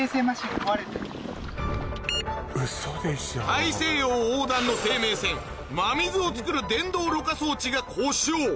大西洋横断の生命線真水を作る電動ろ過装置が故障